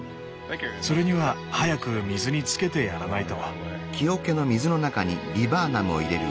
それには早く水につけてやらないと。